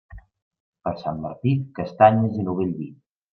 Per Sant Martí, castanyes i novell vi.